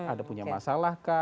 ada punya masalah kah